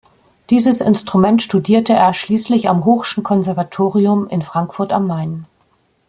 Dieses Instrument studierte er schließlich am Hoch'schen Konservatorium in Frankfurt am Main.